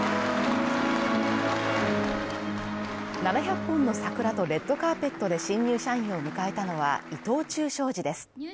７００本の桜とレッドカーペットで新入社員を迎えたのは伊藤忠商事です。